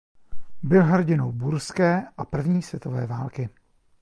Byl hrdinou búrské a první světové války.